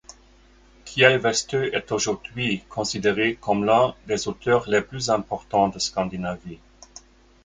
Kjell Westö est aujourd’hui considéré comme l’un des auteurs les plus importants de Scandinavie.